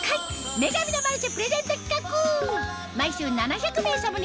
『女神のマルシェ』プレゼント企画